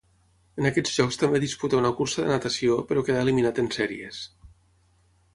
En aquests Jocs també disputà una cursa de natació, però quedà eliminat en sèries.